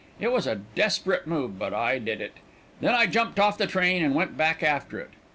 It was a desperate move, but I did it. Then I jumped off the train, and went back after it.